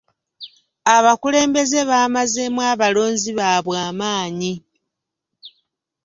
Abakulembeze baamazeemu abalonzi baabwe amaanyi.